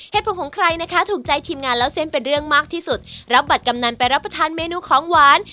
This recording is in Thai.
ของใครนะคะถูกใจทีมงานเล่าเส้นเป็นเรื่องมากที่สุดรับบัตรกำนันไปรับประทานเมนูของหวาน